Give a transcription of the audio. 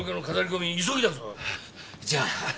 じゃあ。